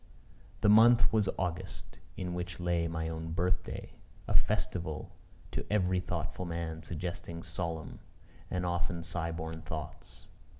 The month was August, in which lay my own birth day; a festival to every thoughtful man suggesting solemn and often sigh born thoughts.